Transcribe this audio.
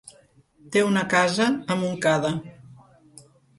Té una casa a Montcada.